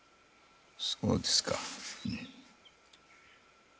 そうですか。